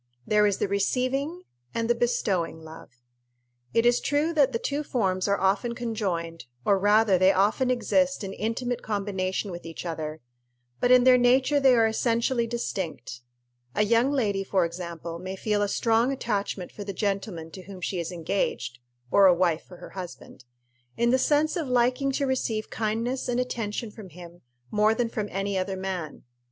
There is the receiving and the bestowing love. It is true that the two forms are often conjoined, or rather they often exist in intimate combination with each other; but in their nature they are essentially distinct. A young lady, for example, may feel a strong attachment for the gentleman to whom she is engaged or a wife for her husband in the sense of liking to receive kindness and attention from him more than from any other man.